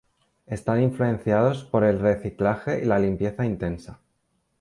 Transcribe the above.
Están influenciados por el reciclaje y la limpieza intensa.